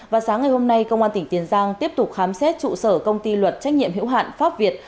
và sáng ngày hôm nay công an tỉnh tiền giang tiếp tục khám xét trụ sở công ty luật trách nhiệm hữu hạn pháp việt